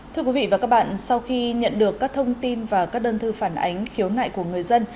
thưa quý vị và các bạn sau khi nhận được các thông tin và các đơn thư phản ánh khiếu nại của người dân